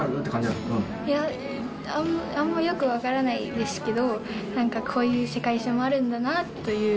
いや、あんまよく分からないですけど、なんか、こういう世界線もあるんだなっていう。